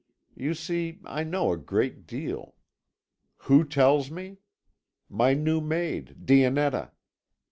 You see I know a great deal. Who tells me? My new maid Dionetta.